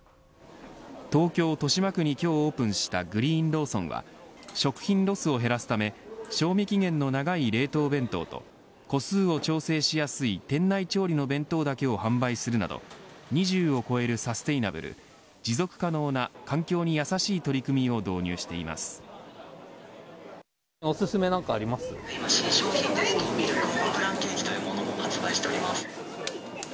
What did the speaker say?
東京、豊島区に今日、オープンしたグリーンローソンは食品ロスを減らすため賞味期限の長い冷凍弁当と個数を調整しやすい店内調理の弁当だけを販売するなど２０を超えるサステイナブル持続可能な環境にやさしい取り組みをおすすめ、何かあります。